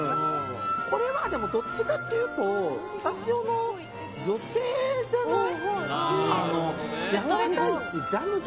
これはどっちかっていうとスタジオの女性じゃない？